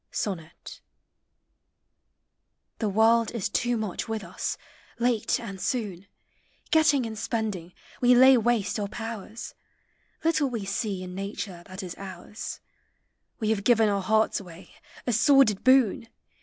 SONNET. The World is too much with us; late and soon. Getting and spending, we lay waste our powers; Little we see in nature that is ours; We have given our hearts away, a sordid boon